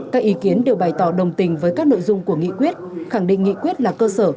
các ý kiến đều bày tỏ đồng tình với các nội dung của nghị quyết khẳng định nghị quyết là cơ sở